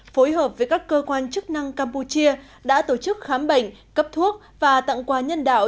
phối hợp với các cơ quan chức năng campuchia đã tổ chức khám bệnh cấp thuốc và tặng quà nhân đạo